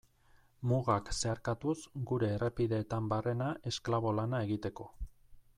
Mugak zeharkatuz gure errepideetan barrena esklabo lana egiteko.